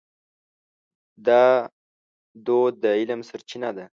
دا دود د علم سرچینه ده.